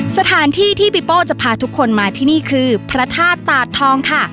สถานที่ที่ปีโป้จะพาทุกคนมาที่นี่คือพระธาตุตาดทองค่ะ